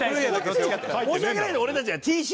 申し訳ないけど俺たちは。